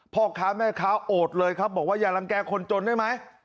พ่อค้าแม่ค้าโอดเลยครับบอกว่าอย่ารังแก่คนจนได้ไหม